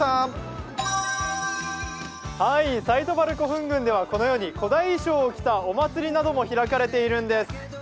西都原古墳群ではこのように古代衣装を着たお祭りなども開かれているんです。